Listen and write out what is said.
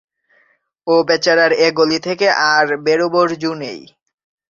ও বেচারার এ গলি থেকে আর বেরোবার জো নেই।